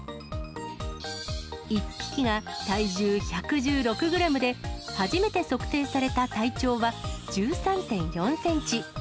１匹が体重１１６グラムで、初めて測定された体長は１３．４センチ。